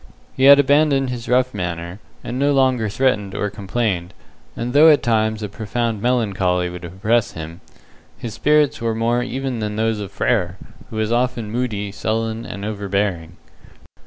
He had abandoned his rough manner, and no longer threatened or complained, and though at times a profound melancholy would oppress him, his spirits were more even than those of Frere, who was often moody, sullen, and overbearing.